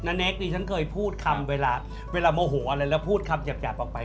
นะเน๊ะะดิฉันเคยพูดคำเวลาโมโหอะไรแล้วพูดคำจับไป